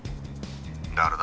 誰だ？